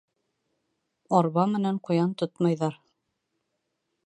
Арба менән ҡуян тотмайҙар.